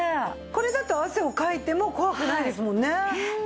これだと汗をかいても怖くないですもんね。